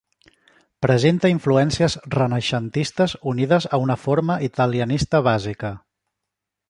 Presenta influències renaixentistes unides a una forma italianista bàsica.